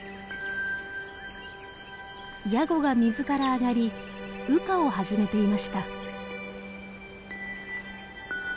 ヤゴが水から上がり羽化を始めていました。